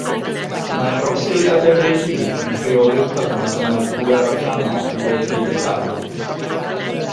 Mae'r osgiliadur ei hun yn rheoli'r cyfnod y mae'r pŵer allanol yn gweithredu arno.